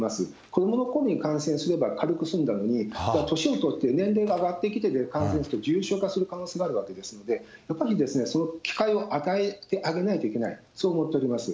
子どものころに感染すれば、軽く済んだのに、年を取って、年齢が上がってきて感染すると、重症化する可能性があるわけですので、やっぱり、その機会を与えてあげないといけない、そう思っております。